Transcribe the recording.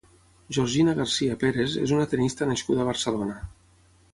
Georgina García Pérez és una tennista nascuda a Barcelona.